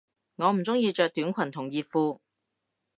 我唔鍾意着短裙同熱褲